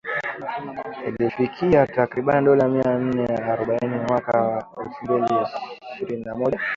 Ilifikia takriban dola mia nane arobaini mwaka wa elfu mbili ishirini na moja.